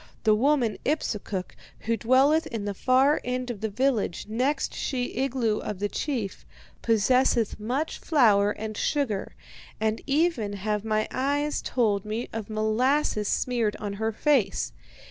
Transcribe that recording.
The woman Ipsukuk, who dwelleth in the far end of the village next she igloo of the chief, possesseth much flour and sugar, and even have my eyes told me of molasses smeared on her face.